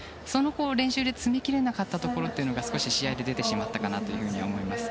練習で詰め切れなかったところが少し試合に出てしまったかなと思います。